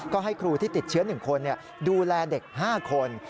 ก็ให้ครูที่ติดเชื้อ๑คนดูแลเด็ก๕คน